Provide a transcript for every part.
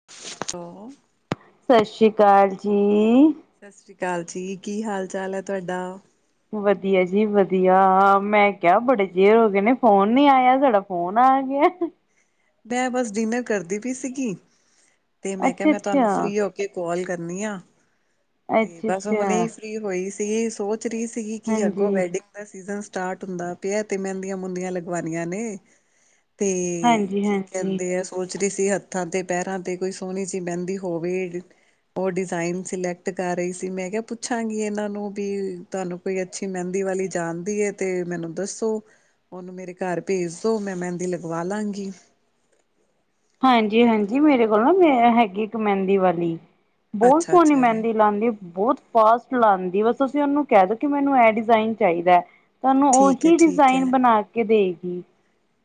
[inaudible] ਸਤਿ ਸ਼੍ਰੀ ਅਕਾਲ ਜੀ ਸਤਿ ਸ਼੍ਰੀ ਅਕਾਲ ਜੀ ਕੀ ਹਾਲ ਚਾਲ ਹੈ ਤੁਹਾਡਾ ਵਧੀਆ ਜੀ ਵਧੀਆ ਮੈਂ ਕਿਹਾ ਬੜੇ ਚੇਰ ਹੋ ਗਏ ਨੇ ਫੋਨ ਨੀ ਆਇਆ ਸਾਡਾ ਫੋਨ ਆ ਗਿਆ ਮੈਂ ਬਸ ਡਿਨਰ ਕਰਦੀ ਪਈ ਸੀਗੀ ਤੇ, ਮੈਂ ਕਿਹਾ ਅੱਛਾ ਮੈਂ ਤੁਹਾਨੂੰ ਅੱਛਾ ਫ੍ਰਰੀ ਹੋ ਕੇ ਤੇ ਕਾਲ ਕਰਨੀ ਆ। ਅੱਛਾ ਬਸ ਔ ਹੁਣੇ। ਅੱਛਾ ਠੀ ਹੋਈ ਸੀਗੀ। ਸੋਚ ਰਹੀ ਸੀਗੀ, ਕਿ ਅੱਗੋਂ ਹਾਂਜੀ ਵੈਡਿੰਗ ਦਾ ਸੀਜਨ ਸਟਾਰਟ ਹੁੰਦਾ। ਪਿਆ ਤੇ ਮਹਿੰਦੀਆਂ- ਮੁੰਦੀਆਂ ਲਗਵਾਨੀਆਂ ਨੇ, ਤੇ। ਹਾਂਜੀ ਹਾਂਜੀ ਮੈਂ ਸੋਚ ਰਹੀ ਸੀ। ਹੱਥਾਂ ਤੇ, ਪੈਰਾਂ ਤੇ, ਕੋਈ ਸੋਹਣੀ ਜਿਹੀ ਮਹਿੰਦੀ ਹੋਵੇ। ਉਹ ਡਿਜ਼ਾਇਨ ਸਿਲੈਕਟ, ਕਰ ਰਹੀ ਸੀ। ਮੈਂ ਕਿਹਾ, ਪੁੱਛਾਂਗੀ ਇਹਨਾਂ ਨੂੰ, ਵੀ ਤੁਹਾਨੂੰ। ਕੋਈ ਅੱਛੀ ਮਹਿੰਦੀ ਵਾਲੀ ਜਾਣਦੀ ਹੈ ਤੇ ਮੈਨੂੰ ਦੱਸੋ ਉਹਨੂੰ ਮੇਰੇ ਘਰ ਭੇਜ ਦੋ ਮੈਂ ਮਹਿੰਦੀ ਲਗਵਾ ਲਾਂਗੀ ਹਾਂਜੀ ਹਾਂਜੀ ਮੇਰੇ ਕੋਲ ਨਾ ਮੇ ਹੈਗੀ ਇੱਕ ਮਹਿੰਦੀ ਵਾਲੀ ਬਹੁਤ ਅੱਛਾ ਸੋਹਣੀ ਅੱਛਾ ਜੀ ਮਹਿੰਦੀ ਲਾਉਂਦੀ ਬਹੁਤ ਫਾਸਟ ਲਾਉਦੀ ਬਸ ਅਸੀਂ ਉਹਨੂੰ ਕਹਿ ਦੋ ਕਿ ਮੈਨੂੰ ਇਹ ਡਿਜ਼ਾਇਨ ਚਾਹੀਦਾ ਹੈ। ਤੁਹਾਨੂੰ ਠੀਕ ਹੈ ਉਹੀ ਠੀਕ ਡਿਜ਼ਾਇਨ ਹੈ ਬਣਾ ਕੇ ਦੇਗੀ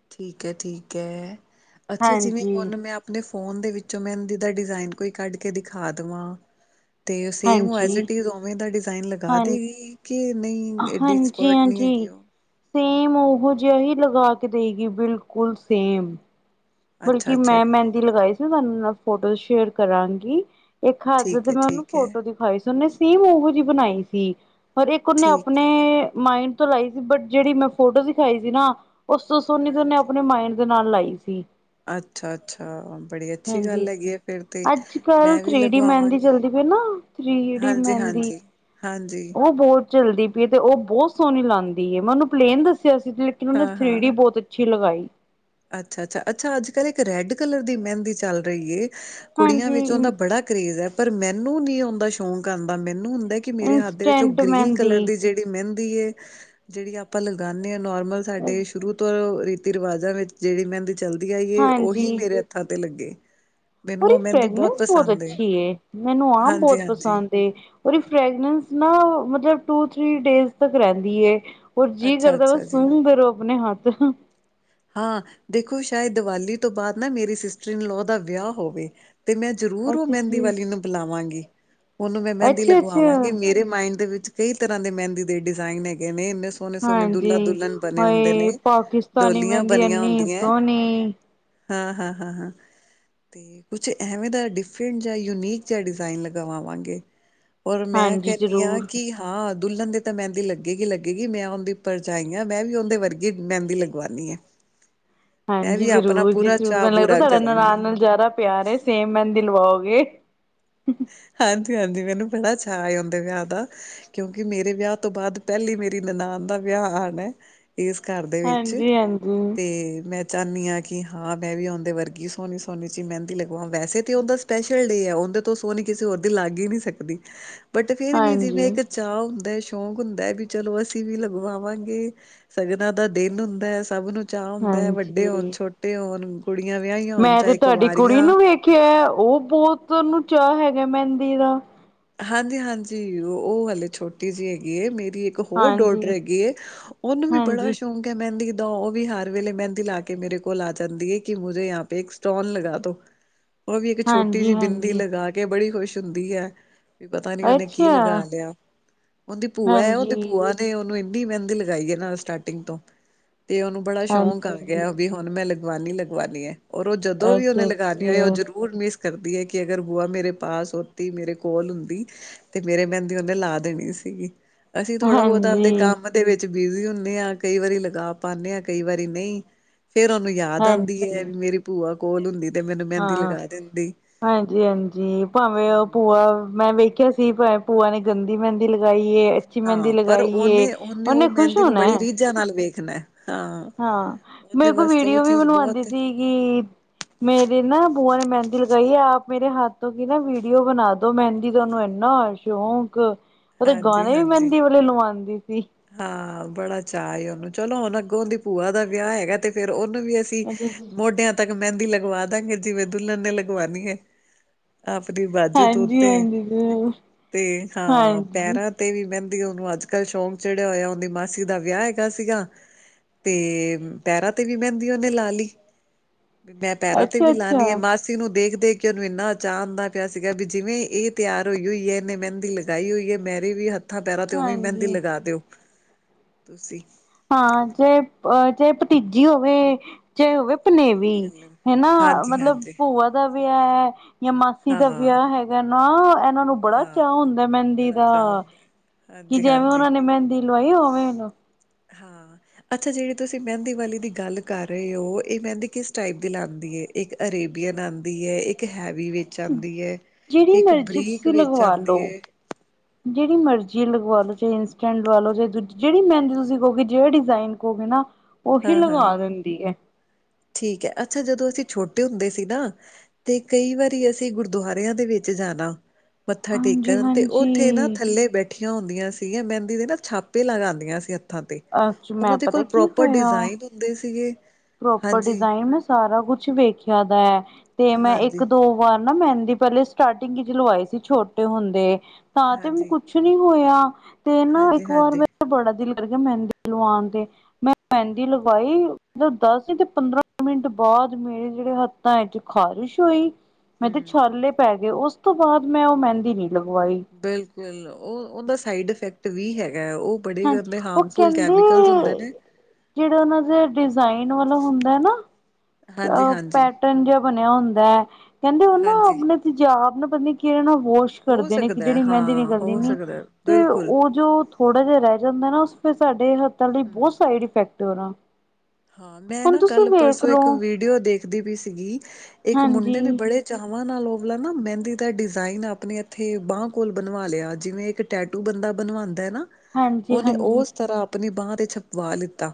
ਠੀਕ ਹੈ ਠੀਕ ਹੈ ਅੱਛਾ ਜਿਵੇਂ ਹਾਂਜੀ ਹੁਣ ਮੈਂ ਣੇ ਫੋਨ ਦੇ ਵਿੱਚੋਂ ਮੈਂ ਜ ਦਾ ਡਿਜ਼ਾਇਨ ਕੋਈ ਕੱਢ ਕੇ ਦਿਖਾ ਦੇਵਾਂ ਤੇ ਸੇਮ ਐਜ ਹਾਂਜੀ ਇਟ ਇਜ਼ ਉਵੇਂ ਦਾ ਡਿਜ਼ਾਇਨ ਲਗਾ ਹਾਂਜੀ ਦੇਗੀ ਕਿ ਨਹੀਂ ਏਡੀ ਐਕਸਪਰਟ ਨਹੀਂ ਹਾਂਜੀ-ਹਾਂਜੀ। ਹੈਗੀ ਉਹ ਸੇਮ ਉਹੋ ਜਿਹਾ ਹੀ ਲਗਾ ਕੇ ਦੇਈਗੀ ਬਿਲਕੁਲ ਸੇਮ ਬਲਕਿ, ਅੱਛਾ-ਅੱਛਾ ਮੈਂ ਮਹਿੰਦੀ, ਲਗਾਈ ਸੀ ਨਾ। ਤੁਹਾਨੂੰ, ਨਾਲ ਫੋਟੋ ਸ਼ੇਅਰ ਕਰਾਂਗੀ। ਇੱਕ ਹੱਥ ਠੀਕ ਤੇ, ਹੈ, ਮੈਂ ਉਹਨੂੰ, ਠੀਕ ਹੈ, ਫੋਟੋ ਦਿਖਵਾਈ ਸੀ। ਉਹਨੇ ਸੇਮ ਓਹੋ, ਜਿਹੀ ਬਣਾਈ ਸੀ। ਪਰ ਇੱਕ, ਉਹਨੇ ਠੀਕ ਆਪਣੇ, ਹੈ। ਮਾਈੰਡ ਤੋਂ ਲਾਈ ਸੀ। ਬਟ ਜਿਹੜੀ ਮੈਂ ਫੋਟੋ ਸਿਖਾਈ ਸੀ, ਨਾ। ਉਸ ਤੋਂ ਸੋਨੀ, ਤੇ ਉਹਨੇ ਆਪਣੇ ਮਾਇੰਡ, ਦੇ ਨਾਲ ਲਾਈ ਸੀ। ਅ ਅੱਛਾ- ਅੱਛਾ, ਬੜੀ ਅੱਛੀ ਗੱਲ ਹਾਂਜੀ। ਹੈਗੀ ਆ। ਫੇਰ ਤੇ, ਅੱਜ ਮੈਂ ਵੀ ਲਗਵਾਵਾਂਗੀ। ੍ਰੀਹੜੀ ਹਾਂਜੀ, ਮਹਿੰਦੀ। ਹਾਂਜੀ, ਹਾਂਜੀ। ਉਹ ਬਹੁਤ ਚੱਲਦੀ ਪਈਏ, ਤੇ ਉਹ ਬਹੁਤ ਸੋਹਣੀ ਲਾਉਂਦੀ ਹੈ। ਮੈਂ ਉਹਨੂੰ, ਪਲੇਨ ਦੱਸਿਆ ਸੀ। ਲੇਕਿਨ ਉਹਨੇ ਥ੍ਰੀ ਡੀ ਬਹੁਤ। ਅੱਛੀ ਲਗਾਈ। ਅੱਛਾ- ਅੱਛਾ, ਅੱਛਾ, ਅੱਜ ਕੱਲ ਇੱਕ ਰੈੱਡ ਕਲਰ, ਦੀ ਮਹਿੰਦੀ ਚੱਲ ਰਹੀ। ਕੁੜੀਆਂ ਹਾਂਜੀ ਵਿੱਚ, ਉਹਦਾ ਬੜਾ ਕਰੇਜ ਹੈ। ਪਰ ਮੈਨੂੰ ਨੀ ਆਉਂਦਾ ਸ਼ੌਕ, ਆਉਂਦਾ ਮੈਨੂੰ ਹੁੰਦਾ। ਕਿ ਮੇਰੇ ਹੱਥ, ਦੇ ਵਿੱਚ ਉਹ ਇੰਸਟੈਂਟ ਗ੍ਰੀਨ ਮਹਿੰਦੀ ਕਲਰ, ਦੀ ਜਿਹੜੀ ਦੀ ਮਹਿੰਦੀ ਏ। ਜਿਹੜੀ ਆਪਾਂ ਲਗਾਾਨਦੇ ਹਾ, ਨੋਰਮਲ ਸਾਡੇ ਸ਼ੁਰੂ ਤੋਂ। ਰਿਵਾਜ਼ਾਂ ਵਿੱਚ, ਜਿਹੜੀ ਮਹਿੰਦੀ ਚੱਲਦੀ ਆਈਏ। ਉਹੀ ਹਾਂਜੀ ਮੇਰੇ ਹੱਥਾਂ ਤੇ ਲੱਗੇ। ਮੈਨੂੰ ਉਹਦੀ ਉਹ ਮਹਿੰਦੀ ਫਰੈਗਨੈਂਸ ਬਹੁਤ ਪਸੰਦ ਅੱਛੀ ਏ। ਮੈਨੂੰ ਆਪ ਬਹੁਤ ਹਾਂਜੀ-ਹਾਂਜੀ, ਪਸੰਦ ਏ। ਉਹਓ ਫਰੈਗਨੈਂਸ ਨਾ, ਮਤਲਬ ਟੂ, ਥਰੀ ਡੇਜਸ ਤਕ ਰਹਿੰਦੀ ਆ। ਹੋਰ ਜੀਅ ਕਰਦਾ, ਬ ਅੱਛਾ-ਅੱਛਾ ਜੀ। ਸੁੰਘਦੇ ਰਹੋ, ਆਪਣੇ ਹੱਥ। ਹਾਂ, ਦੇਖੋ ਸ਼ਾਇਦ, ਦੀਵਾਲੀ ਤੋਂ ਬਾਅਦ ਨਾ, ਮੇਰੀ ਸਿਸਟਰ ਇਨ ਲੋਅ ਦਾ, ਵਿਆਹ ਹੋਵੇ। ਤੇ ਮੈਂ ਜ਼ਰੂਰ ਉਹ ਅੱਛਾ ਮਹਿੰਦੀ ਜੀ ਵਾਲੀ ਨੂੰ, ਬੁਲਾਵਾਂਗੀ। ਉਹਨੂੰ ਮੈਂ ਮਹਿੰਦੀ ਅੱਛਾ ਲਗਵਾਵਾਂਗੀ ਅੱਛਾ ਮੇਰੇ। ਦੇ ਮਾਇੰਡ ਦੇ ਵਿੱਚ, ਕਈ ਤਰਾਂ ਦੇ, ਮਹਿੰਦੀ ਦੇ ਡਿਜ਼ਾਇਨ ਹੈਗੇ ਨੇ, ਇਨੇ। ਸੋਹਣੇ- ਸੋਹਣੇ, ਦੁਲਲਾ- ਹਾਂਜੀ ਦੁਲਨ, ਬਣੇ ਹੁੰਦੇ ਨੇ। ਹਾਏ ਪਾਕਿਸਤਾਨੀ ਡੋਲੀਆਂ ਮਹਿੰਦੀ ਬਣੀਆਂ ਇੰਨੀ ਹੁੰਦੀਆਂ। ਸੋਹਣੀ ਹਾਂ- ਹਾਂ, ਹਾਂ- ਹਾਂ। ਕੁਛ ਐਵੇਂ ਦਾ, ਡਿਫਰੈਂਟ ਜਾਂ, ਯੂਨੀਕ ਜਾਂਿਹਾ ਡਿਜ਼ਾਇਨ ਲਗਾਵਾਵਾਂਗੇ। ਔਰ, ਮੈਂ ਹਾਂਜੀ ਕਹਿੰਦੀ ਹਾਂ, ਜ਼ਰੂਰ ਕਿ ਹਾਂ, ਦੁਲਹਨ ਦੇ ਤਾਂ ਮਹਿੰਦੀ ਲੱਗੇਗੀ, ਲੱਗੇਗੀ। ਮੈਂ ਉਹਦੀ ਪਰਜਾਈ ਹਾਂ, ਮੈਂ ਵੀ ਉਹਦੇ ਵਰਗੀ ਮਹਿੰਦੀ ਲਗਵਾਉਣੀ ਆ। ਹਾਂਜੀ, ਜ਼ਰੂਰ ਜੀ ਜ਼ਰੂਰ, ਚਾਅ ਮੈਨੂੰ ਲੱਗਦਾ ਪੂਰਾ ਤੁਹਾਡਾ, ਕਰਾਂਗੀ। ਨਨਾਨ ਨਾਲ ਜ਼ਿਆਦਾ ਪਿਆਰ ਏ। ਸੇਮ ਮਹਿੰਦੀ ਲਵਾਓਗੇ। ਹਾਂਜੀ -ਹਾਂਜੀ, ਮੈਨੂੰ ਬੜਾ ਚਾਅ ਆ। ਉਦੇ ਵਿਆਹ ਦਾ ਕਿਉਂਕਿ, ਮੇਰੇ ਵਿਆਹ ਤੋਂ ਬਾਅਦ, ਪਹਿਲੀ ਮੇਰੀ ਨਨਾਨ ਦਾ ਵਿਆਹ ਆਨਾ ਏ। ਇਸ ਘਰ ਦੇ, ਵਿੱਚ ਹਾਂਜੀ ਹਾਂਜੀ ਤੇ ਮੈਂ। ਚਾਹੁੰਦੀ ਹਾਂ। ਕਿ ਹਾਂ, ਮੈਂ ਵੀ ਆਉਂਦੇ ਵਰਗੀ, ਸੋਹਨੀ- ਸੋਹਣੀ, ਜੀ ਮਹਿੰਦੀ ਲਗਵਾਵਾ, ਵੈਸੇ ਤੇ ਉਹ। ਸਪੈਸ਼ਲ ਡੇ ਆ, ਉਹਦੇ ਸੋਹਣੀ, ਕਿਸੇ ਹੋਰ ਦੀ ਲਾਗ ਹੀ ਨੀ ਸਕਦੀ। ਬਟ ਫੇਰ ਵੀ ਹਾਂਜੀ ਜਿਵੇਂ ਇੱਕ। ਚਾਹਅ ਹੁੰਦਾ, ਸ਼ੌਕ ਹੁੰਦਾ, ਵੀ ਚਲੋ ਅਸੀਂ ਵੀ, ਲਗਵਾਵਾਂਗੇ। ਸ਼ਗਨਾਂ ਦਾ ਦਿਨ ਹੁੰਦਾ ਹੈ। ਸਭ ਨੂੰ ਚਾਅ ਹੁੰਦਾ ਹੈ। ਵੱਡੇ ਹਾਂਜੀ ਹੋਣ, ਛੋਟੇ ਹੋਣ। ਕੁੜੀਆਂ ਵਿਆਹੀਆਂ ਹੋਣ। ਚਾਹੇ ਕੁ ਵਾਰੀਆਂ। ਖਿਆ ਉਹ ਬਹੁਤ ਉਹਨੂੰ ਚਾਅ ਹੈਗਾ ਮਹਿੰਦੀ ਦਾ ਹਾਂਜੀ ਹਾਂਜੀ ਉਹ ਹਲੇ ਛੋਟੀ ਜਿਹੀ ਹੈਗੀ ਹੈ ਮੇਰੀ ਇੱਕ ਹੋਰ ਡੋਡ ਰ ਹਾਂਜੀ ਹੈਗੀ ਉਹਨੂੰ ਵੀ ਬੜਾ ਹਾਂਜੀ ਸ਼ੌਕ ਮਹਿੰਦੀ ਦ ਉਹ ਵੀ ਹਰ ਵੇਲੇ ਮਹਿੰਦੀ ਲਾ ਕੇ ਮੇਰੇ ਕੋਲ ਆ ਜਾਂਦੀ ਹੈ ਕਿ ਮੁੇ ਯ ਪ ਇੱਕ ਸਟੋਨ ਲਗਾ ਦੋ ਉਹ ਵੀ ਇੱਕ, ਛੋਟੀ ਹਾਂਜੀ ਜਿਹੀ ਬਿੰਦੀ, ਹਾਂਜੀ ਲਗਾ ਕੇ ਬੜੀ ਖੁਸ਼ ਹੁੰਦੀ ਹੈ। ਪਤਾ ਨੀ ਉਹਨੇ ਕੀ ਅੱਛਾ ਲਗਾ ਲਿਆ। ਉਹਦੀ ਭੂਆ ਹੈ, ਉਹਦੀ ਹਾਂਜੀ ਭੂਆ। ਨੇ ਉਹਨੂੰ ਇੰਨੀ ਮਹਿੰਦੀ ਲਗਾਈ ਹੈ। ਨਾਲ ਸਟਾਰਟਿੰਗ ਤੋਂ, ਤੇ ਉਹਨੂੰ ਬੜਾ ਸ਼ੌਂਕ, ਆ ਹਾਂਜੀ ਹਾਂਜੀ ਗਿਆ। ਵੀ ਹੁਣ। ਹੂਨ ਮੈਂ, ਲਗਵਾਨੀ- ਲਗਵਾਨੀ ਹੈ, ਔਰ ਉਹ ਜਦੋਂ ਵੀ ਉਹਨੇ ਅੱਛਾ ਲਗਾਉਨੀ ਹੋ, ਅੱਛਾ ਉਹਰ। ਬਹੁਤ ਮਿਸ ਕਰਦੀ ਹੈ, ਕਿ ਅਗਰ ਬੁਆ, ਮੇਰੇ ਪਾਸ ਹੋਤੀ, ਮੇਰੇ ਕੋ। ਕੋਲ ਹੁੰਦੀ ਤੇ। ਮੇਰੇ ਮਹਿੰਦੀ ਉਹਨੇ ਲਾ ਦੇਣੀ ਸੀਗੀ। ਅਸੀਂ ਥੋੜਾ- ਬਹੁਤਾ ਆਪਦੇ ਹਾਂਜੀ ਕੰਮ। ਦੇ ਵਿੱਚ ਬਿਜੀ ਹੁੰਦੇ ਆ। ਕਈ ਵਾਰੀ ਲਗਾ ਪਾਉਂਦੇ ਹਾਂ, ਕਈ ਵਾਰੀ ਨਹੀਂ, ਫੇਰ ਉਹਨੂੰ। ਯਾਦ ਆਉਂਦੀ ਹੈ, ਹਾਂਜੀ ਵੀ ਮੇਰੀ। ਭੂਆ ਕੋਲ ਹੁੰਦੀ ਤੇ, ਮੈਨੂੰ ਮਹਿੰਦੀ ਹਾਂ ਲਗਾ ਦਿੰਦੀ। ਹਾਂਜੀ-ਹਾਂਜੀ ਭਾਵੇਂ ਉਹ ਹੂੰ। ਭੂਆ। ਮੈਂ ਵੇਖਿਆ ਸੀ, ਭ ਭੂਆ ਨੇ। ਗੰਦੀ ਮਹਿੰਦੀ ਲਗਾਈਏ ਅੱਛੀ ਮਹਿੰਦੀ ਹਾਂ ਲਗਾਈਏ ਉਹਨੇ ਖੁਸ਼ ਹੋਣਾ ਹੈ ਚੀਾਂ ਨਾਲ ਵੇਖ ਖ ਹਾਂ ਮੈਂ ਇੱਕ ਉਹ ਵੀਡੀਓ ਵੀ ਚੀਜ਼ ਬਣਵਾਉਂਦੀ ਬਹੁਤ ਸੀ ਕਿ ਮੇਰੇ ਨਾ ਬੂਆ ਨੇ ਮਹਿੰਦੀ ਲਗਾਈ ਹੈ ਆਪ ਮੇਰੇ ਹੱਥ ਤੋਂ ਕੀ ਨਾ ਵੀਡੀਓ ਬਣਾ ਦੋ ਮਹਿੰਦੀ ਤੁਾਨੂੰ ਇੰਨਾ ਸ਼ੌਕ ਉਹਦੇ ਹਾਂਜੀ ਗਾਣੇ ਵੀ ਹਾਂਜੀ ਮਹਿੰਦੀ ਵਾਲਲੇ ਲਵਾਉਂਦੀ ਸੀ ਹਾਂ ਬੜਾ ਚਾਅ ਉਹਨੂੰ ਚਲੋ ਹੁਣ ਅੱਗੋਂ ਉਹਦੀ ਭੂਆ ਦਾ ਵਿਆਹ ਹੈਗਾ ਤੇ ਫੇਿਰ ਉਹਨੂੰ ਵੀ ਅਸੀਂ ਮੋਢਿਆਂ ਤੱਕ ਮਹਿੰਦੀ ਲਗਵਾ ਦਾਂਗੇ ਜਿਵੇਂ ਦੁਲੱਲਨ ਨੇ ਲਗਵਾਣੀ ਹੈ ਆਪਣੀ ਬਾਜੂ ਤੋਂਤੇ ਹਾਂਜੀ-ਹਾਂਜੀ, ਤੇ ਹਾਂ ਹਾਂਜੀ, ਅੱਛਾ-ਅੱਛਾ, ਹਾਂਜੀ। ਪੈਰਾਂ ਤੇ ਵੀ ਮਹਿੰਦੀ ਉਹਨੂੰ ਅੱਜ ਕੱਲ੍ਹ ਸ਼ੌਂਕ ਚਿੜਿਆ ਹੋਇਆ ਉਹਦੀ ਮਾਸੀ ਦਾ ਵਿਆਹ ਹੈਗਾ ਸੀਗਾ ਤੇ ਪੈਰਾਂ ਤੇ ਵੀ ਮਹਿੰਦੀ ਉਹਨੇ ਲਾ ਲਈ ਵੀ ਮੈਂ ਪੈਰਾਂ ਤੇ ਅੱਛਾ ਵੀ ਲਾਣੀੀ ਆ ਅੱਛਾ, ਮਾਸ ਨੂੰ ਦੇਖ ਦੇਖ ਕੇ ਉਹਨੂੰ ਇੰਨਾ ਅਚਾ ਆਉਂਦਾ ਪਿਆ ਸੀਗਾ ਵੀ ਜਿਵੇਂ ਇਹ ਤਿਆਰ ਹੋਈ ਹੋਈ ਹੈ ਇਹਨੇ ਮਹਿੰਦੀ ਲੱਗੀ ਲਗਾਈ ਹੋਈ ਹੈ ਮੇਰੀ ਵੀ ਹੱਥਾਂ ਪੈਰਾਾਂ ਤੇ ਉਵੇਂ ਮਹਿੰਦੀ ਹਾਂਜੀ ਲਗਾ ਦਿਓ ਤੁਸੀਂ ਹਾਂ ਜੇ ਅਹ ਜੇ ਭਤੀਜੀ ਹੋਵੇ ਚਾਹੇ ਹੋਵੇ ਭਨੇਵੀ ਹਨਾ ਮਤਲਬ ਹਾਂਜੀ-ਹਾਂਜੀ ਭੂਆ ਦਾ ਵਿਆਹ ਹੈ ਜਾਂ ਮਾਸੀ ਦਾ ਹਾਂ-ਹਾਂ। ਵਿਆਹ ਹੈਗਾ ਨਾ ਇਹਨਾਂ ਨੂੰ ਬੜਾ ਚਾਅ ਹੁੰਦਾ ਮਹਿੰਦੀ ਬੜਾ ਦਾ ਚਾਅ ਹੁੰਦਾ ਕਿ ਜਿਵੇਂ ਹਾਂਜੀ-ਹਾਂਜੀ ਉਹਨਾ ਨੇ ਮਹਿੰਦੀ ਲਵਾਈ ਓਵੇਂ ਉਹਨੂੰ ਹਾਂ ਅੱਛਾ ਜਿਹੜੀ ਤੁਸੀਂ ਮਹਿੰਦੀ ਵਾਲੀ ਦੀ ਗੱਲ ਕਰ ਰਹੇ ਹੋ ਇਹ ਮਹਿੰਦੀ ਕਿਸ ਟਾਈਪ ਦੀ ਲਾਉਂਦੀ ਏ ਇੱਕ ਅਰੇਬੀਅਨ ਆਉਂਦੀ ਹੈ ਇੱਕ ਹੈਵੀ ਵਿੱਚ ਆਉਂਦੀ ਹੈ ਜਿਹੜੀ ਇੱਕ ਮਰਜ਼ੀ ਬਰੀਕ ਤੁਸੀਂ ਵਿੱਚ ਲਗਵਾ ਆਉਂਦੀ ਲਓ ਹੈ ਜਿਹੜੀ ਮਰਜ਼ੀ ਲਵਾ ਲਉ ਚਾਹੇ ਇੰਸਟ ਲ ਲੋ ਚਾਹੇ ਦੂਜੀ ਜਿਹੜੀ ਮਹਿੰਦੀ ਤੁਸੀਂਹੋਗੇ ਜਿਹੜਾ ਡਿਜ਼ਾਇਨ ੋਗੇ ਨਾ ਉਹੀ ਹਾਂ-ਹਾਂ। ਲਗਾ ਦਿੰਦੀ ਹੈ ਠੀਕ ਹੈ ਅੱਛਾ ਜਦੋਂ ਅਸੀਂ ਛੋਟੇ ਹੁੰਦੇ ਸੀ ਨਾ ਤੇ ਕਈ ਵਾਰੀ ਅਸੀਂ ਗੁਰਦੁਆਰਿਆਂ ਦੇ ਵਿੱਚ ਜਾਣਾ ਮੱਥਾ ਹਾਂਜੀ ਟੇਕਣ ਤੇ ਉੱਥੇ ਨਾ ਹਾਂਜੀ ਥੱਲੇ ਬੈਠੇ ਇਕੱਠੀਆਂ ਹੁੰਦੀਆਂ ਸੀ ਮਹਿੰਦੀ ਦੇ ਨਾ ਛਾਪੇ ਲਗਾਉਂਦੀਆਂ ਸੀ ਤੇ ਅ ਉਹਨਾਂ ਮੈਂ ਦੇ ਪਤਾ ਕੋਲ ਕੀ ਪ੍ਰੋਪਰ ਹੋਇਆ ਡਿਜ਼ਾਇਨ ਹੁੰਦੇ ਸੀਗੇ ਪ੍ਰੋਪਰ ਹਾਂਜੀ ਡਿਜ਼ਾਇਨ ਮੈ ਸਾਰਾ ਕੁਛ ਵੇਖਿਆ ਦਾ ਤੇ ਮੈਂ ਇੱਕ ਹਾਂਜੀ ਦੋ। ਵਾਰ ਨਾ ਮਹਿੰਦੀ ਪਹਿਲੇ ਸਟਾਟਿੰਗ ਚ ਲਵਾਈ ਸੀ ਛੋਟੇ ਹੁੰਦੇ ਤਾਂ ਤੇ। ਹਾਂਜੀ ਕੁਛ ਨੀ ਹੋਇਆ ਤੇ ਨਾ ਹਾਂਜੀ ਇੱਕ ਵਾਰ। ਹਾਂਜੀ ਬੜਾ ਦਿਲ ਕਰ ਗਿਆ ਮਹਿੰਦੀ ਲਵਾਉਣ ਤੇ ਮੈਂ ਮਹਿੰਦੀ ਲਗਵਾਈ। ਦੱਸ ਨਹੀਂ ਤੇ ਪੰਦਰਾਂ ਮਿੰਟ ਬਾਅਦ ਮੇਰੇ ਜਿਹੜੇ ਹੱਥਾਂ ਵਿੱਚ ਖ਼ਾਰਿਸ਼ ਹੋਈ। ਮੈਂ ਤੇ ਹਮ ਛਾਲੇ ਪੈ ਗਏ ਉਸ ਤੋਂ ਬਾਅਦ ਮੈਂ ਉਹ ਮਹਿੰਦੀ ਨੀ ਲਗਵਾਈ। ਬਿਲਕੁਲ ਉਹ ਉਹਦਾ ਸਾਈਡ ਇਫੈਕਟ ਵੀ ਹੈਗਾ ਹੈ। ਉਹ- ਬੜੇ ਹਾਂਜੀ, ਗੰਦੇ ਉਹ ਹਾਰਮਫੁਲ ਕਹਿੰਦੇ ਕੈਮੀਕਲਸ ਹੁੰਦੇ ਨੇ ਜਿਹੜਾ ਉਹਨਾਂ ਦੇ ਡਿਜ਼ਾਇਨ ਵਾਲਾ ਹੁੰਦਾ ਨਾ। ਹਾਂਜੀ ਅ ਹਾਂਜੀ ਪੈਟਰਨ ਜਿਹਾ ਬਣਿਆ ਹੁੰਦਾ ਐ ਕਹਿੰਦੇ ਉਹ ਨਾ ਹਾਂਜੀ ਆਪਣੇ। ਜਾ ਆਪ ਨਾ ਪਤਾ ਕਿਹੜੇ ਨਾ ਹੋਸ਼। ਕੁੱਛ ਹੋ ਕਰਦੇ ਨੇ ਕਿ ਸਕਦਾ ਹੈ ਜਿਹੜੀ ਮਹਿੰਦੀ ਹਾਂ ਨਿਕਲਦੀ ਹੋ ਨੀ ਸਕਦਾ ਹੈ, ਤੇ ਬਿਲਕੁਲ ਉਹ ਜੋ। ਥੋੜਾ ਜਿਹਾ ਰਹਿ ਜਾਂਦਾ ਨਾ ਉਸ ਫਿਰ ਸਾਡੇ ਹੱਥਾਂ ਲਈ ਬਹੁਤ ਹੂੰ, ਸਾਈਡ ਇਫੈਕਟ ਏ ਓਦਾ। ਹਾਂ, ਮੈਂ ਨਾ ਕੱਲ ਪਰਸੋਂ ਇੱਕ ਵੀਡੀਓ ਦੇਖਦੀ ਪਈ ਸੀਗੀ ਇੱਕ ਮੁੰਡੇ ਨੇ ਹਾਂਜੀ, ਬੜੇ। ਚਾਵਾਂ ਨਾਲ ਓਵਲਾ ਨਾ ਮਹਿੰਦੀ ਦਾ ਡਿਜ਼ਾਇਨ ਆਪਣੇ ਇੱਥੇ ਬਾਂਹ ਕੋਲ ਬਣਵਾ ਲਿਆ ਜਿਵੇਂ ਇੱਕ। ਟੈਟੂ ਬੰਦਾ ਬਣਵਾਉਂਦਾ ਹੈ ਨਾ ਹਾਂਜੀ, ਉਹਨੇ ਹਾਂਜੀ, ਉਸ ਤਰ੍ਹਾਂ ਆਪਣੀ ਬਾਂਹ ਤੇ ਛਪਵਾ ਲਿੱਤਾ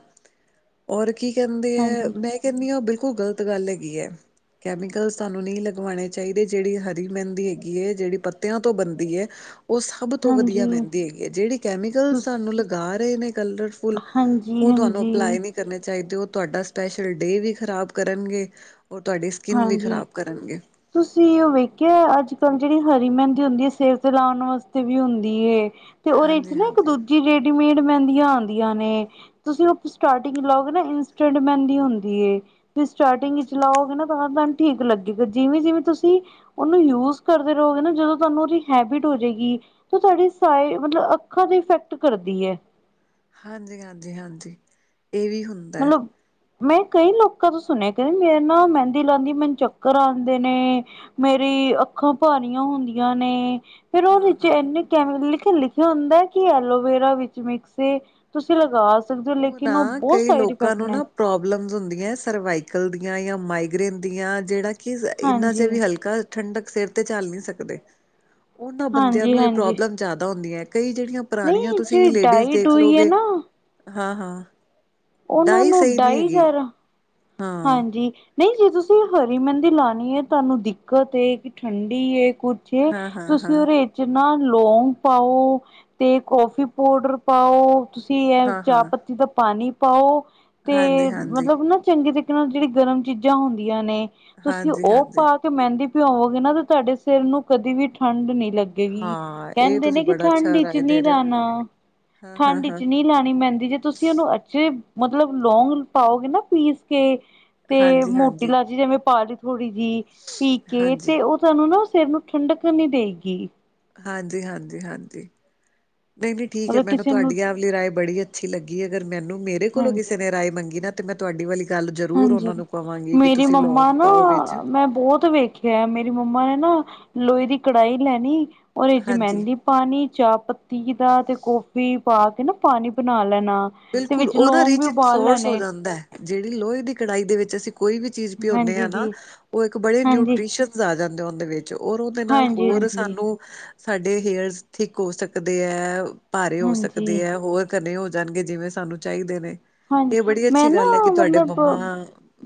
ਔਰ ਕੀ ਕਹਿੰਦੇ ਹੈ ਹਾਂਜੀ, ਮੈਂ ਕਹਿੰਦੀ ਹਾਂ ਉਹ ਬਿਲਕੁਲ ਗ਼ਲਤ ਗੱਲ ਹੈਗੀ ਹੈ ਕੈਮੀਕਲ ਤੁਹਾਨੂੰ ਨਹੀਂ ਲਗਵਾਉਣੇ ਚਾਹੀਦੇ ਜਿਹੜੀ ਹਰੀ ਮਹਿੰਦੀ ਹੈਗੀ ਹੈ ਜਿਹੜੀ ਪੱਤਿਆਂ ਤੋਂ ਬਣਦੀ ਹੈ ਉਹ ਸਭ ਤੋਂ ਵਧੀਆ ਹਾਂਜੀ ਮਹਿੰਦੀ ਹੈਗੀ ਆ ਜਿਹੜੀ ਕੈਮੀਕਲ ਤੁਸ ਸਾਨੂੰ ਲਗਾ ਰਹੇ ਨੇ ਕਲਰਫੁਲ ਹਾਂਜੀ ਹਾਂਜੀ ਕਰਨੇ ਚਾਹੀਦੇ ਉਹ ਤੁਹਾਡਾ ਸਪੈਸ਼ਲ ਡੇ ਵੀ ਖ਼ਰਾਬ ਕਰਨਗੇ ਔਰ ਤੁਹਾਡੀ ਸਕਿੰਨ ਵੀ ਹਾਂਜੀ। ਖ਼ਰਾਬ ਕਰਨਗੇ ਤੁਸੀਂ ਉਹ ਵੇਖਿਆ, ਅੱਜ -ਕੱਲ ਜਿਹੜੀ ਹਰੀ ਮਹਿੰਦੀ ਹੁੰਦੀ ਏ, ਸਿਰ ਤੇ ਲਾਉਣ ਵਾਸਤੇ ਵੀ ਹੁੰਦੀ ਏ ਤੇ ਉਹਦੇ ਚ ਨਾ ਇੱਕ ਹਾਂਜੀ-ਹਾਂਜੀ। ਹਾਂਜੀ-ਹਾਂਜੀ, ਦੂਜੀ ਰੇਡੀਮੇਡ ਮਹਿੰਦੀਆਂ ਆਉਂਦੀਆਂ ਨੇ। ਤੁਸੀਂ ਉਹ ਸਟਾਟਿੰਗ ਲਾਓਗੇ ਨਾ ਇੰਸਟੈਂਟ ਮਹਿੰਦੀ ਹੁੰਦੀ ਏ, ਤੁਸੀਂ ਸਟਾਟਿੰਗ ਵਿੱਚ ਲਾਓਗੇ ਨਾ। ਸਾਵਧਾਨ ਠੀਕ ਲੱਗੇਗਾ ਜਿਵੇਂ ਜਿਵੇਂ ਤੁਸੀਂ। ਉਹਨੂੰ ਯੂਜ ਕਰਦੇ ਰਹੋਗੇ ਨਾ ਜਦੋਂ ਤੁਹਾਨੂੰ ਉਹਦੀ ਹੈਬਿਟ ਹੋ ਜਾਏਗੀ। ਤੇ ਸਾਡੀ ਸਾਏ ਮਤਲਬ ਅੱਖਾਂ ਤੇ ਇਫੈਕਟ ਕਰਦੀ ਹੈ। ਹਾਂਜੀ-ਹਾਂਜੀ, ਹਾਂਜੀ ਇਹ ਵੀ ਹੁੰਦਾ। ਮਤਲਬ ਮੈਂ ਕਈ ਲੋਕਾਂ ਤੋਂ ਸੁਣਿਆ ਕਹਿੰਦੀ ਮੈ ਨਾ ਮਹਿੰਦੀ ਲਾਉਂਦੀ ਮੈਨੂੰ ਚੱਕਰ ਆਉਂਦੇ ਨੇ। ਮੇਰੀ ਅੱਖਾਂ ਭਾਰੀਆਂ ਹੁੰਦੀਆਂ ਨੇ। ਫਿਰ ਉਹਦੇ ਚ ਹਾਂ-ਹਾਂ। ਇਨੇ ਕ ਲਿਖ ਲਿਖਿਆ ਹੁੰਦਾ ਕਿ ਐਲੋਵੇਰਾ ਵਿੱਚ ਮਿਕਸੇ ਏ। ਤੁਸੀਂ ਲਗਾ ਸਕਦੇ ਹੋ ਲੇਕਿਨ ਉਹ ਨਾ ਬਹੁਤ। ਕਈ ਸਾਈਡ ਲੋਕਾਂ ਇਫੈਕਟ ਨੂੰ ਨੇ ਨਾ ਪ੍ਰੋਬਲਮਸ ਹੁੰਦੀਆਂ ਆ ਸਰਵਾਈਕਲ ਦੀਆਂ ਜਾਂ ਮਾਈਗਰੇੇਨ ਦੀਆਂ ਜਿਹੜਾ। ਕਿ ਇੰਨਾ ਜਿਹਾ ਹਾਂਜੀ ਵੀ ਹਲਕਾ ਠੰਡਕ ਸਿਰ ਤੇ ਝਲ ਨੀ ਸਕਦੇ। ਉਹਨਾਂ ਬੰਦਿਆਂ ਹਾਂਜੀ ਨੂੰ ਇਹ ਹਾਂਜੀ ਪ੍ਰੋਬਲਮ ਜ਼ਿਆਦਾ ਹੁੰਦੀਆ ਕਈ ਜਿਹੜੀਆਂ ਪੁਰਾਣੀਆਂ ਨਹੀਂ ਤੁਸੀਂ ਜਿਹੜੀ ਲੇਡੀਜ਼ ਡਾਈ ਦੇਖ ਡੂਈ ਹੈ ਲਓਗੇ ਨਾ ਹਾਂ-ਹਾਂ, ਉਹਨਾਂ ਤਾਂਈ ਨੂੰ ਸਹੀ ਨੀ ਡਾਈ ਹੈਗੀ। ਜ਼ਿਆਦਾ ਹਾਂ ਹਾਂਜੀ। ਨਹੀਂ ਜੇ ਤੁਸੀਂ ਹਰੀ ਮਹਿੰਦੀ ਲਾਨੀ ਏ ਤਾਨੂੰ ਦਿੱਕਤ ਏ ਕਿ ਠੰਡੀ ਏ ਕੁ। ਜੇ, ਹਾਂ ਹਾਂ ਤੁਸੀਂ ਹਾਂ ਉਰੇ। ਜਿੰਨਾ ਲੋਂਂਗ ਪਾਓ ਤੇ ਕੋਫੀ ਪਾਊਡਰ ਪਾਉ। ਤੁਸੀਂ ਇਹ ਹਾਂ ਚਾਹ ਹਾਂ ਪੱਤੀ ਦਾ ਪਾਣੀ ਪਾਓ ਤੇ ਹਾਂਜੀ ਹਾਂਜੀ ਮਤਲਬ ਨਾ ਚੰਗੇ ਤਰਾਂ। ਨਾਲ ਜਿਹੜੀ ਗਰਮ ਚੀਜ਼ਾਂ ਹੁੰਦੀਆਂ ਨੇ ਤੁਸੀਂ ਹਾਂਜੀ ਉਹ ਹਾਂਜੀ ਪਾ। ਮਹਿੰਦੀ ਭਿਓਵੋਗੇ ਨਾ ਤੇ ਤੁਹਾਡੇ ਸਿਰ ਨੂੰ ਕਦੀ ਵੀ ਠੰਡ ਨੀ ਲੱਗੀ। ਇਹੀ ਹਾਂ ਇਹ ਕਹਿੰਦੇ ਨੇ ਤੁਸੀਂ ਕਿ ਬੜਾ ਠੰਢ ਅੱਛਾ ਚ ਰਾਏ ਨੀ ਦੇ ਰਹੇ ਹੋ ਜਾਣਾ। ਹਾਂ ਹਾਂ ਠੰਡ ਹਾਂ ਚ ਨੀ ਲਾਣੀ ਮਹਿੰਦੀ ਜੇ ਤੁਸੀਂ ਉਹਨੂੰ ਅ ਜੇ ਮਤਲਬ ਲੌਂਗ ਪਾਓਗੇ ਨਾ ਪੀਸ ਕੇ ਤੇ ਹਾਂਜੀ ਮੋਟੀ ਹਾਂਜੀ ਲਾਚੀ ਜਿਵੇਂ ਪਾ ਲੀ। ਥੋੜ੍ਹੀ ਜਿਹੀ ਪੀ ਕੇ ਹਾਂਜੀ ਤੇ ਉਹ ਤੁਹਾਨੂੰ ਨਾ ਸਿਰ ਨੂੰ ਠੰਡਕ ਨੀ ਦੇਗੀ। ਹਾਂਜੀ-ਹਾਂਜੀ, ਹਾਂਜੀ, ਨਹੀਂ-ਨਹੀਂ ਠੀਕ ਐ ਮਤਲਬ ਮੈਂਨੂੰ ਕਿਸੇ ਨੂੰ ਤੁਹਾਡੀਆਂ। ਰਾਏ ਬੜੀ ਅੱਛੀ ਲੱਗੀ ਅਗਰ ਮੈਨੂੰ ਮੇਰੇ ਕੋਲੋਂ ਹਾਂਜੀ ਕਿਸੇ ਨੇ ਰਾਏ ਮੰਗੀ ਨਾ ਤੇ ਮੈਂ ਤੁਹਾਡੀ ਵਾਲੀ ਗੱਲ ਜ਼ਰੂਰ ਹਾਂਜੀ ਉਹਨਾਂ ਨੂੰ ਕਵਾਂਗੀ ਕਿ ਮੇਰੀ ਤੁਸੀਂ ਲੌਗ ਮੰਮਾ ਨਾ ਪਾਓ ਵਿੱਚ ਮੈਂ ਬਹੁਤ ਵੇਖਿਆ ਮੇਰੀ ਮੰਮਾ ਨੇ ਨਾ ਲੋਹੇ ਦੀ ਕੜਾਹੀ ਲੈਣੀ ਦੇ ਚ ਹਾਂਜੀ ਮਹਿੰਦੀ ਪਾਣੀ ਚਾਹ ਪੱਤੀ ਦਾ ਤੇ ਕੌਫੀ ਪਾ ਕੇ ਨਾ ਪਾਣੀ ਬਣਾ ਲੈਣਾ ਤੇ ਬਿਲਕੁਲ ਵਿੱਚ ਉਹ ਨਾ ਲੌਂਗ ਵੀ ਰਚਨ ਉਬਾਲ ਸੋਰਸ ਹੋ ਲੈਣੇ ਜਾਂਦਾ ਜਿਹੜੀ ਲੋਹੇ ਦੀ ਕੜਹੀ ਦੇ ਵਿੱਚ ਅਸੀਂ ਕੋਈ ਵੀ ਚੀਜ਼ ਭਿਉਂਦੇ ਹਾਂਜੀ ਹਾਂ ਨਾ ਜੀ ਉਹ ਇੱਕ ਬੜੇ ਹਾਂਜੀ ਨਿਊਟੀ ਆ ਜਾਂਦੇ ਉਹਦੇ ਵਿੱਚ ਔਰ ਉਹਦੇ ਨਾਲ ਹਾਂਜੀ ਹੋਰ ਹਾਂਜੀ ਸਾਨੂੰ ਸਾਡੇ ਹੇਅਰ ਠੀਕ ਹੋ ਸਕਦੇ ਹੈ ਭਾਰੇ ਹੋ ਹਾਂਜੀ, ਸਕਦੇ ਹੈ ਹੋਰ ਘੇ ਹੋ ਜਾਣਗੇ ਜਿਵੇਂ ਸਾਨੂੰ ਚਾਹੀਦੇ ਨੇ ਇਹ ਹਾਂਜੀ ਬੜੀ ਮੈਂ ਅੱਛੀ ਨਾ ਗੱਲ ਹੈ ਕਿ ਤੁਹਾਡੇ ਮਤਲਬ ਮੰਮਾ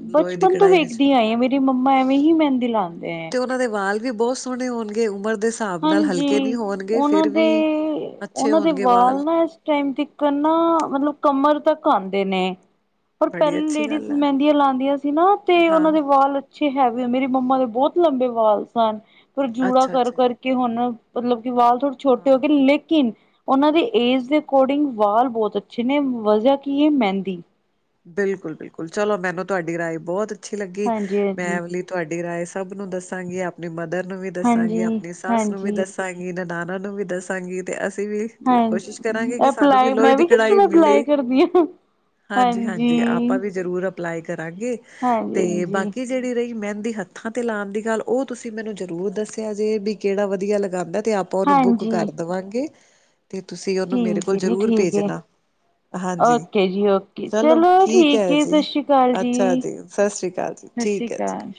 ਲੋਹੇ ਦੀ ਬਚਪਨ ਤੋਂ ਕੜਾਈ ਵਿੱਚ ਵੇਖਦੀ ਆਈ ਹਾਂ ਮੇਰੀ ਮੇਰੀ ਮੰਮਾ ਐਵੇਂ ਹੀ ਮਹਿੰਦੀ ਲਾਂਦੇ ਤੇ ਉਹਨਾਂ ਦੇ ਵਾਲ ਵੀ ਬਹੁਤ ਸੋਹਣੇ ਹੋਣਗੇ ਉਮਰ ਦੇ ਹਿਸਾਬ ਨਾਲ ਹਲਕੇ ਨਹੀਂ ਹਾਂਜੀ ਹੋਣਗੇ ਉਹਨਾਂ ਫਿਰ ਦੇ ਵੀ ਅੱਛੇ ਉਹਨਾਂ ਦੇ ਹੋਣਗੇ ਵਾਲ ਨਾ ਇਸ ਟਮ ਤਿਕਰ ਨਾ ਮਤਲਬ ਕਮਰ ਤੱਕ ਆਉਂਦੇ ਨੇ ਪਰ ਬੜੀ ਪਹਿਲ ਅੱਛੀ ਲੇਡੀਜ਼ ਗੱਲ ਹੈ ਮਹਿੰਦੀਆਂ ਲਾਉਂਦੀਆਂ ਸੀ ਨਾ ਤੇ ਹਾਂ ਉਹਨਾਂ ਦੇ ਵਾਲ ਅੱਛੇ ਹੈਵੀ ਮੇਰੀ ਮੰਮਾ ਦੇ ਬਹੁਤ ਲੰਬੇ ਵਾਲ ਸਨ ਪਰ ਜੂੜਾ ਅੱਛਾ ਕਰ ਅੱਛਾ ਕਰ। ਜੀ ਕਿ ਹੁਣ ਮਤਲਬ ਕਿ ਵਾਲ ਥੋੜੇ ਛੋਟੇ ਹੋ ਹਾਂ ਗਏ ਲੇਕਿਨ। ਉਹਨਾਂ ਦੀ ਏਜ ਦੇ ਕੋਡਿੰਗ ਵਾਲ ਬਹੁਤ ਅੱਛੇ ਨੇ ਵਜਾ ਕੀ ਇਹ ਮਹਿੰਦੀ। ਬਿਲਕੁਲ, ਬਿਲਕੁਲ, ਚਲੋ, ਮੈਨੂੰ ਤੁਹਾਡੀ ਰਾਏ ਬਹੁਤ ਅੱਛੀ ਲੱਗੀ ਮੈਂ ਹਾਂਜੀ-ਹਾਂਜੀ। ਐ ਵਾਲੀ। ਤੁਹਾਡੀ ਰਾਏ ਸਭ ਨੂੰ ਦੱਸਾਂਗੀ ਆਪਣੀ ਮਦਰ ਨੂੰ ਵੀ ਦੱਸਾਂਗੀ ਹਾਂਜੀ, ਆਪਣੀ ਸੱਸ ਨੂੰ ਵੀ ਹਾਂਜੀ। ਦੱਸਾਂਗੀ। ਇਹ ਤਾਂ ਦਾਨਾਂ ਨੂੰ ਵੀ ਦੱਸਾਂਗੀ ਤੇ ਅਸੀਂ ਵੀ। ਹਾਂ ਕੋਸ਼ਿਸ਼ ਕਰਾਂਗੇ ਕਿ ਸਾਨੂੰ ਵੀ ਲੋਹੇ ਦੀ ਕੜਾਈ ਮਿਲੇ। ਕਰਦੀਆਂ ਹਾਂਜੀ ਆਪਾਂ ਵੀ ਜਰੂਰ ਅਪਲਾਈ ਕਰਾਂਗੇ ਤੇ ਹਾਂਜੀ, ਹਾਂਜੀ, ਬਾਕੀ ਜਿਹੜੀ ਰਹੀ ਮਹਿੰਦੀ ਹੱਥਾਂ ਤੇ ਲਾਉਣ ਦੀ ਗੱਲ ਉਹ ਤੁਸੀਂ ਮੈਨੂੰ ਜ਼ਰੂਰ ਦੱਸਿਆ ਜੇ ਵੀ ਕਿਹੜਾ ਵਧੀਆ ਲਗਾਉਂਦਾ ਤੇ ਆਪ ਆਪਾਂ ਉਹਨੂੰ ਬੁੱਕ ਹਾਂਜੀ। ਕਰ ਦੇਵਾਂਗੇ ਅਤੇ ਤੁਸੀਂ ਉਹਨੂੰ ਮੇਰੇ ਠੀਕ ਕੋਲ ਹੈ ਜੀ ਜ਼ਰੂਰ ਭੇਜਣਾ ਹਾਂਜੀ ੀ ਓਕੇ ਚਲੋ ਠੀਕ ਹੈ ਸਤਿ ਸ਼੍ਰੀ ਅਕਾਲ ਅੱਛਾ ਜੀ ਸ਼੍ਰੀ ਅਕਾਲ ਜੀ ਸਤਿ ਸ਼੍ਰੀ ਠੀਕ ਹੈ ਜੀ ਅਕਾਲ